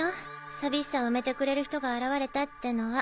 寂しさを埋めてくれる人が現れたってのは。